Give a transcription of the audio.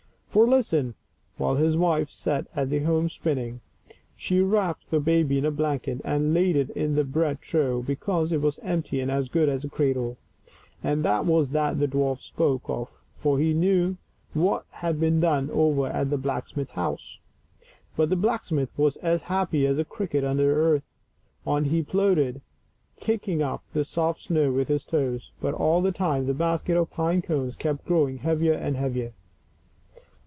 For, listen: while his wife sat at home spinning, she wrapped the baby in a blanket and laid it in the bread trough, because it was empty and as good as a cradle. And that was what the dwarf spoke of, for he knew what had been done over at the black smith's house. But the blacksmith was as happy as a cricket under the hearth ; on he plodded, kicking up the soft snow with his toes ; but all the time the basket of pine cones kept growing heavier and heavier.